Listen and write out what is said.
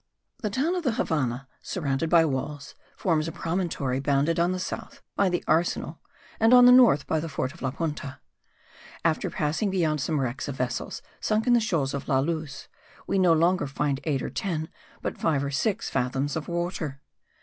The town of the Havannah, surrounded by walls, forms a promontory bounded on the south by the arsenal and on the north by the fort of La Punta. After passing beyond some wrecks of vessels sunk in the shoals of La Luz, we no longer find eight or ten, but five or six fathoms of water.